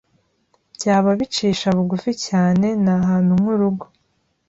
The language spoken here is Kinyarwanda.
Byaba bicisha bugufi cyane, ntahantu nkurugo.